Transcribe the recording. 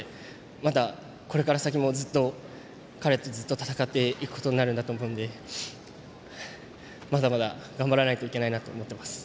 また、これから先もずっと彼と戦っていくことになると思うのでまだまだ頑張らないといけないなと思っています。